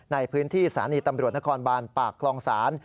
ในพื้นที่สถานีตำรวจนครบานปากคลองศาล